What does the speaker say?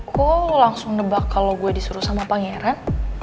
kok lo langsung nebak kalo gue disuruh sama pangeran